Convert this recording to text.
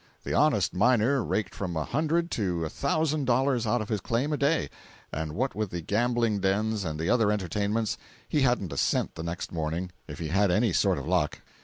The honest miner raked from a hundred to a thousand dollars out of his claim a day, and what with the gambling dens and the other entertainments, he hadn't a cent the next morning, if he had any sort of luck.